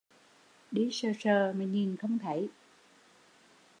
Đi sờ sờ mà nhìn không thấy